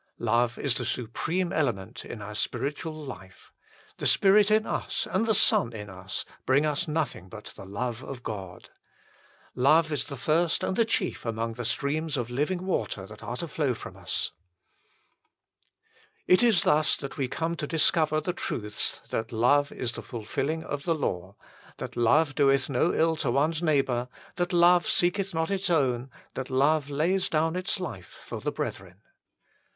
Love is the supreme element in our spiritual life. The Spirit in us and the Son in us bring us nothing but the love of God. Love is the first and the chief among the streams of living water that are to flow from us. It is thus that we come to discover the truths that love is the fulfilling of the law ; that love doeth no ill to one s neighbour ; l that 1 Rom. xiii. 10. 9 130 THE FULL BLESSING OF PENTECOST love seeketh not its own ; 1 that love lays down its life for the brethren.